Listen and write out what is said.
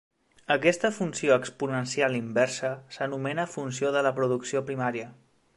Aquesta funció exponencial inversa s'anomena Funció de la producció primària.